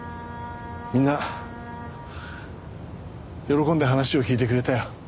みんな喜んで話を聞いてくれたよ。